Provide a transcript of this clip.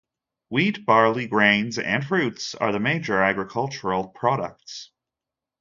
Wheat, barley, grains and fruits are the major agricultural products.